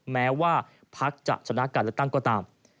แม้ว่าภักดิ์จะชนะกันและตั้งก็ตาม